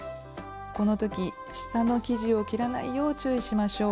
この時下の生地を切らないよう注意しましょう。